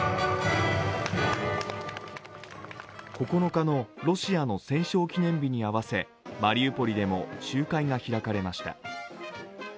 ９日のロシアの戦勝記念日に合わせ、マリウポリでも集会が開かれました。